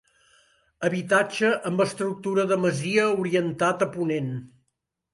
Habitatge amb estructura de masia orientat a ponent.